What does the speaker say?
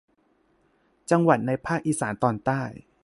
จังหวัดในภาคอีสานตอนใต้